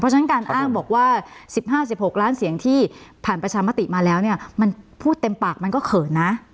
ฉะนั้นการอ้างบอกว่า๑๕๑๖ล้านเสียงที่ผ่านประชามติมาแล้วเนี่ยมันพูดเต็มปากมันก็เขินนะ